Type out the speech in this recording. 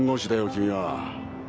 君は。